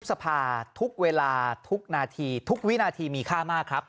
สภาทุกเวลาทุกนาทีทุกวินาทีมีค่ามากครับ